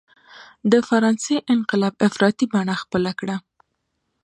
د فرانسې انقلاب افراطي بڼه خپله کړه.